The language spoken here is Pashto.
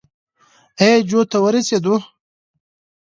اي جو ته ورسېدو.